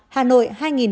hà nội hai một trăm linh